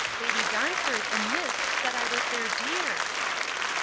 Lady Darnford and miss said I was their dear!